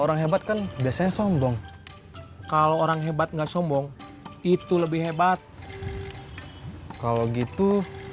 orang hebat kan biasanya sombong kalau orang hebat enggak sombong itu lebih hebat kalau gitu